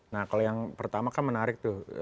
nah kalau yang pertama kan menarik tuh